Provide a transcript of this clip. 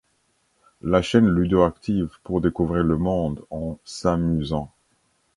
La chaîne ludo-active pour découvrir le monde en s'amusant.